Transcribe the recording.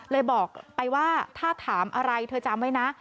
บอกไปว่าถ้าถามอะไรเธอจำไว้นะ